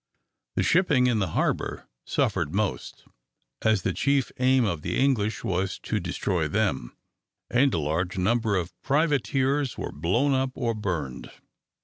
The shipping in the harbour suffered most, as the chief aim of the English was to destroy them, and a large number of privateers were blown up or burned.